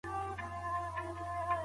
وروسته پاته والی یوه لویه ننګونه ده.